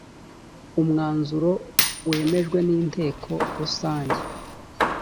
umwanzuro wemejwe n inteko rusange